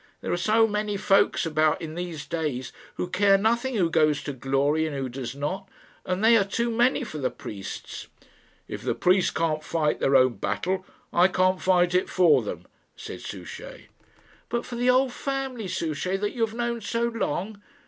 There are so many folks about in these days who care nothing who goes to glory and who does not, and they are too many for the priests." "If the priests can't fight their own battle, I can't fight it for them," said Souchey. "But for the old family, Souchey, that you have known so long!